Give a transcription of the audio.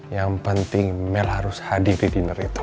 yang penting mel harus hadirin dinner itu